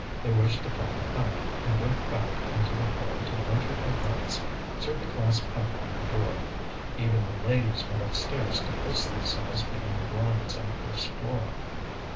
They wished to find out, and went back into the hall to venture a glance through the glass panel of the door. Even the ladies went upstairs to post themselves behind the blinds on the first floor.